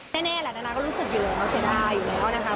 แน่แน่ก็รู้สึกอยู่แล้วว่าเสียดายอยู่แล้วนะคะ